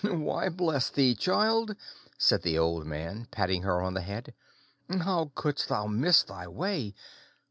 "Why, bless thee, child," said the old man, patting her on the head, "how couldst thou miss thy way?